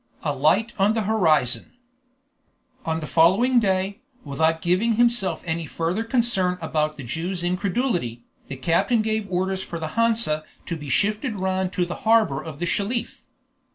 A LIGHT ON THE HORIZON On the following day, without giving himself any further concern about the Jew's incredulity, the captain gave orders for the Hansa to be shifted round to the harbor of the Shelif.